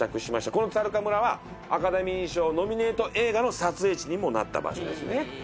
このツァルカ村はアカデミー賞ノミネート映画の撮影地にもなった場所ですね。